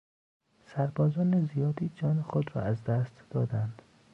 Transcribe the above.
سربازان زیادی جان خود را از دست دادند